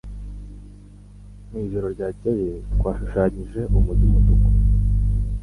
Mu ijoro ryakeye twashushanyije umujyi umutuku.